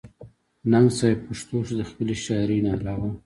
ننګ صېب پښتو کښې َد خپلې شاعرۍ نه علاوه